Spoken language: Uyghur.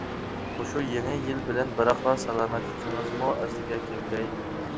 مۇشۇ يېڭى يىل بىلەن بىراقلا سالامەتلىكىڭىزمۇ ئەسلىگە كەلگەي.